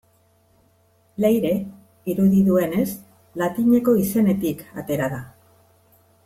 Leire, irudi duenez, latineko izenetik atera da.